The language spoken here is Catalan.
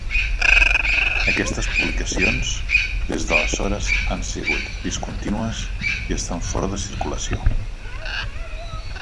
Aquestes publicacions, des d'aleshores han sigut discontinues i estan fora de circulació.